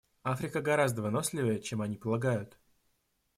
Африка гораздо выносливее, чем они полагают.